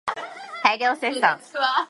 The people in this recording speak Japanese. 大量生産